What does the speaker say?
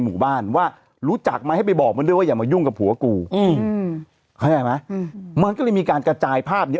หมู่บ้านว่ารู้จักไหมให้ไปบอกมันด้วยว่าอย่ามายุ่งกับผัวกูเข้าใจไหมมันก็เลยมีการกระจายภาพนี้